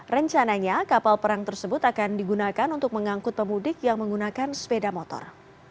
rencananya kapal perang tersebut akan digunakan untuk mengangkut pemudik yang menggunakan sepeda motor